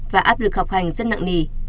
và áp lực học hành rất nặng nề